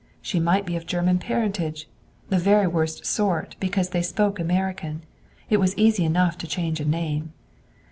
She might be of German parentage the very worst sort, because they spoke American. It was easy enough to change a name.